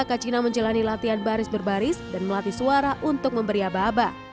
kacina menjalani latihan baris berbaris dan melatih suara untuk memberi aba aba